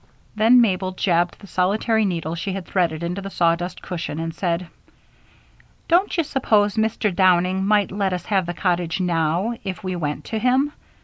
Then Mabel jabbed the solitary needle she had threaded into the sawdust cushion and said: "Don't you suppose Mr. Downing might let us have the cottage now, if we went to him?